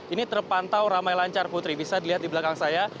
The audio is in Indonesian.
ini terpantau ramai lancar putri bisa dilihat di belakang saya